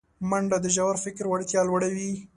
منډه د ژور فکر وړتیا لوړوي